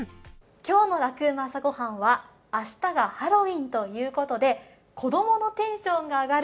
今日の「ラクうま！朝ごはん」は明日がハロウィーンということで子どものテンションがあがる